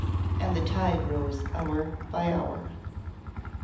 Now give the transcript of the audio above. And the tide rose hour by hour.